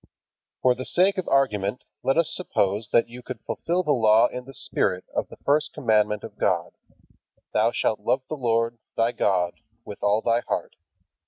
For the sake of argument let us suppose that you could fulfill the Law in the spirit of the first commandment of God: "Thou shalt love the Lord, thy God, with all thy heart."